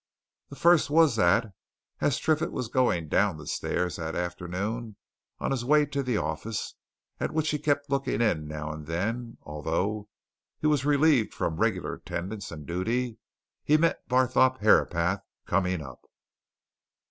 The first was that as Triffitt was going down the stairs that afternoon, on his way to the office, at which he kept looking in now and then, although he was relieved from regular attendance and duty, he met Barthorpe Herapath coming up.